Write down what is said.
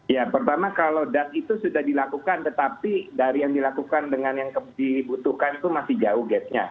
ya pertama kalau dat itu sudah dilakukan tetapi dari yang dilakukan dengan yang dibutuhkan itu masih jauh gapnya